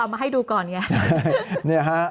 เอามาให้ดูก่อนเงี้ย